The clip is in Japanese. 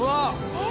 えっ！